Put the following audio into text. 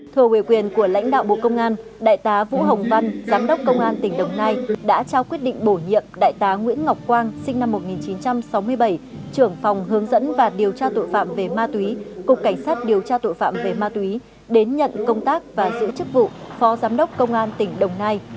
thừa quyền của lãnh đạo bộ công an đại tá vũ hồng văn giám đốc công an tỉnh đồng nai đã trao quyết định bổ nhiệm đại tá nguyễn ngọc quang sinh năm một nghìn chín trăm sáu mươi bảy trưởng phòng hướng dẫn và điều tra tội phạm về ma túy cục cảnh sát điều tra tội phạm về ma túy đến nhận công tác và giữ chức vụ phó giám đốc công an tỉnh đồng nai